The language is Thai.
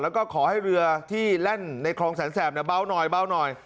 แล้วก็ขอให้เรือที่แล่นในคลองแสนแสบเบาหน่อยเบาหน่อย